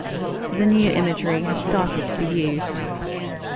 The new imagery has started to be used.